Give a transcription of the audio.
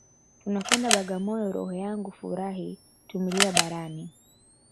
Tunakwenda Bagamoyo roho yangu furahi tumelia barani